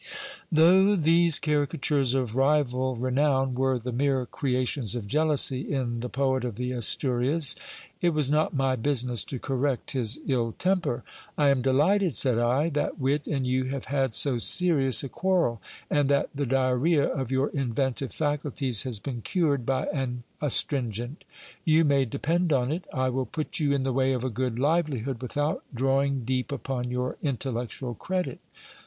Though these caricatures of rival renown were the mere creations of jealousy in the poet of the Asturias, it was not my business to correct his ill temper. I am delighted, said I, that wit and you have had so serious a quarrel ; and that the diarrhoea of your inventive faculties has been cured by an astringent. You may depend on it, I will put you in the way of a good livelihood, without draw ing deep upon your intellectual credit.